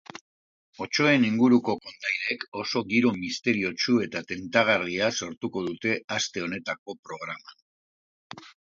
Otsoen inguruko kondairek oso giro misteriotsu eta tentagarria sortuko dute aste honetako programan.